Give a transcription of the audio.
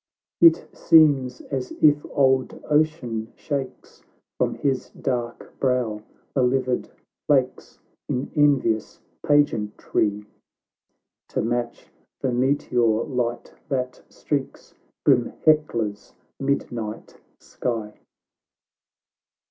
It seems as if old Ocean shakes From his dark brow the livid flakes In envious pageantry, To match the meteor light that streaks Grim llecla's midnight sky.